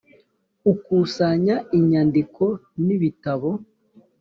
ukusanya inyandiko n ibitab